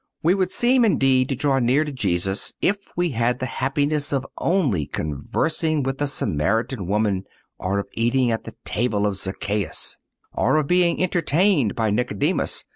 (211) We would seem, indeed, to draw near to Jesus, if we had the happiness of only conversing with the Samaritan woman, or of eating at the table of Zaccheus, or of being entertained by Nicodemus.